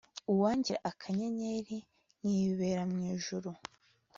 uwangira akanyenyeri nkibera mu ijuru